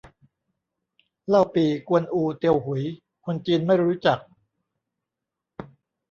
เล่าปี่ กวนอู เตียวหุย คนจีนไม่รู้จัก